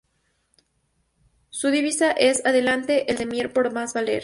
Su divisa es "Adelante el de Mier por más valer".